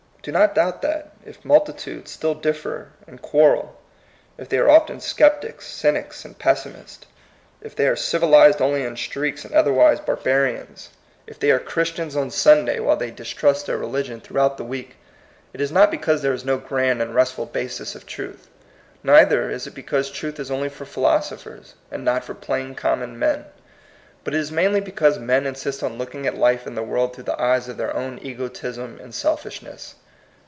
Do not doubt that, if multitudes still differ and quarrel; if they are often sceptics, cynics, and pessimists ; if they are civilized only in streaks, and otherwise barbarians; 78 THE COMING PEOPLE. if they are Christians on Sunday, while they distrust their religion throughout the week, — it is not because there is no grand and restful basis of truth, neither is it be cause truth is only for philosophers, and not for plain common men ; but it is mainly because men insist on looking at life and the world through the eyes of their own egotism and selfishness.